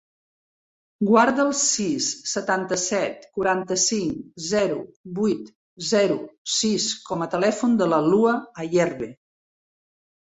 Guarda el sis, setanta-set, quaranta-cinc, zero, vuit, zero, sis com a telèfon de la Lua Ayerbe.